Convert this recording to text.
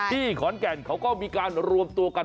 ที่ขอนแก่นเขาก็มีการรวมตัวกัน